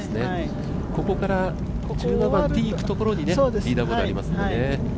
ここから１５番、ティーいくところにリーダーボードがありますからね。